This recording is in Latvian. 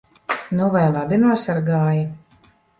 Nu vai labi nosargāji?